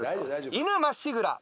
犬まっしぐら！